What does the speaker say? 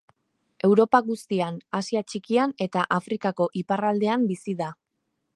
Europa guztian, Asia Txikian eta Afrikako iparraldean bizi da.